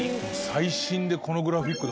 最新でこのグラフィック。